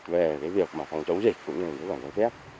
về cái việc mà phòng chống dịch cũng như là phòng trái phép